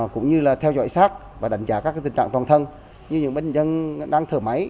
cũng như theo dõi sát và đánh giá các tình trạng toàn thân như những bệnh nhân đang thở máy